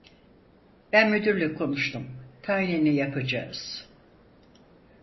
Ben müdürle konuştum, tayinini yapacağız…